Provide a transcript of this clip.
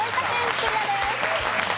クリアです。